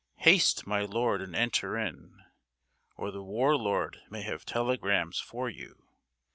Haste, my Lord, and enter in, Or the War Lord may have telegrams for you.